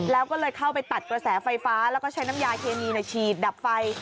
แล้วก็เลยเข้าไปตัดกระแสไฟฟ้าแล้วก็ใช้น้ำยาเคมีฉีดดับไฟ